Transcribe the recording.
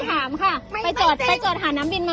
ถามแบบตรงนี้เขาเสียอะไรบ้างนะคะส่องลอง